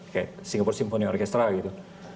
kayak singapura symphony orchestra gitu